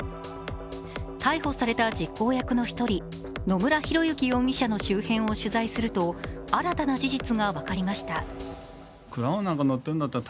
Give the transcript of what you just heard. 逮捕された実行役の１人、野村広之容疑者の周辺を取材すると、新たな事実が分かりました。